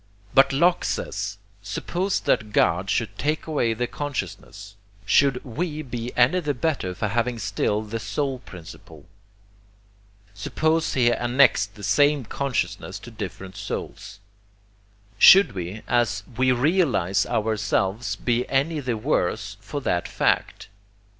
But Locke says: suppose that God should take away the consciousness, should WE be any the better for having still the soul principle? Suppose he annexed the same consciousness to different souls, | should we, as WE realize OURSELVES, be any the worse for that fact?